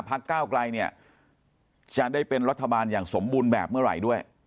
ก้าวไกลเนี่ยจะได้เป็นรัฐบาลอย่างสมบูรณ์แบบเมื่อไหร่ด้วย